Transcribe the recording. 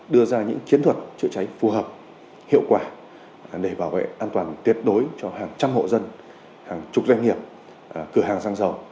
đưa ra những chiến thuật chữa cháy phù hợp hiệu quả để bảo vệ an toàn tuyệt đối cho hàng trăm hộ dân hàng chục doanh nghiệp cửa hàng xăng dầu